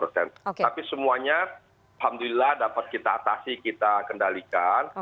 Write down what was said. tapi semuanya alhamdulillah dapat kita atasi kita kendalikan